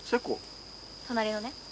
隣のね。